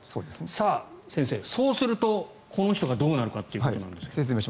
さあ先生、そうするとこれがどうなるのかということですが。